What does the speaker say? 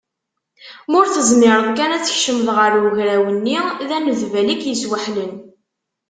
Ma ur tezmireḍ kan ad tkecmeḍ ɣer ugraw-nni, d anedbal i k-yesweḥlen.